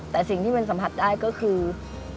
แต่สิ่งที่มันสัมผัสได้ก็คือ